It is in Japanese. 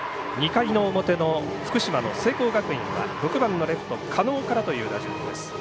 ２回の表の福島の聖光学院は６番のレフト狩野からという打順です。